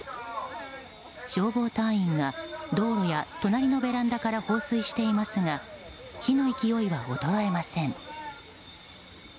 消防隊員が道路や隣のベランダから放水していますが火の勢いは衰えません。